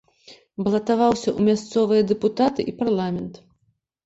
Балатаваўся ў мясцовыя дэпутаты і парламент.